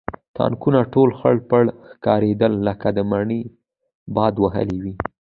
تاکونه ټول خړپړ ښکارېدل لکه د مني باد وهلي وي.